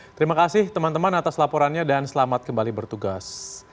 terima kasih teman teman atas laporannya dan selamat kembali bertugas